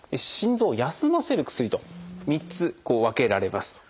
心臓を休ませる薬と３つこう分けられます。